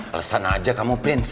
alasan aja kamu prince